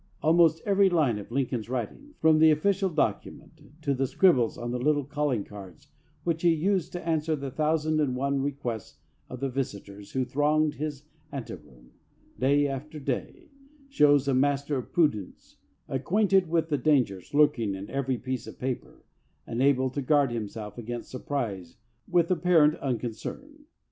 Almost every line of Lincoln's writing, from the official docu ment to the scribbles on the little calling cards which he used to answer the thousand and one re quests of the visitors who thronged his anteroom day after day, shows a master of prudence, ac quainted with the dangers lurking in every piece of paper, and able to guard himself against sur prise with apparent unconcern.